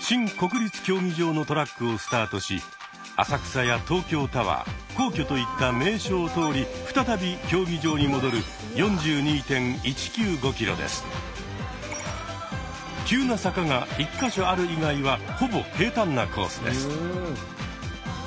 新国立競技場のトラックをスタートし浅草や東京タワー皇居といった名所を通り再び競技場に戻る急な坂が１か所ある以外はほぼ平たんなコースです。